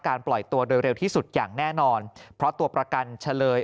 ปล่อยตัวโดยเร็วที่สุดอย่างแน่นอนเพราะตัวประกันเฉลย